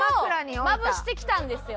まぶしてきたんですよ。